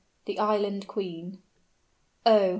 THE ISLAND QUEEN. Oh!